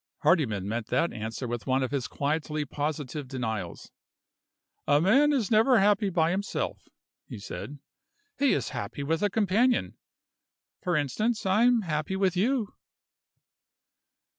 Hardyman met that answer with one of his quietly positive denials. "A man is never happy by himself," he said. "He is happy with a companion. For instance, I am happy with you."